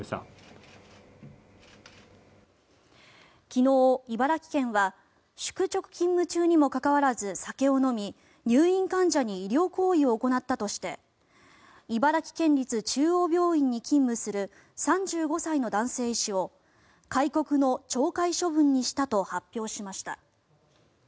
昨日、茨城県は宿直勤務中にもかかわらず酒を飲み入院患者に医療行為を行ったとして茨城県立中央病院に勤務する３５歳の男性医師を戒告の懲戒処分にしたと発表しました。